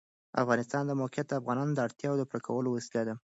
د افغانستان د موقعیت د افغانانو د اړتیاوو د پوره کولو وسیله ده.